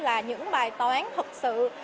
là những bài toán thật sự